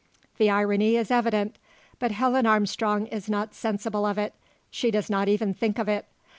The irony is evident; but Helen Armstrong is not sensible of it. She does not even think of it.